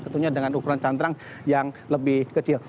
tentunya dengan ukuran cantrang yang lebih kecil